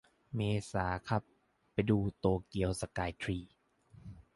เมษาครับ ไปดูโตเกียวสกายทรี